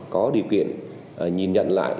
có điều kiện nhìn nhận lại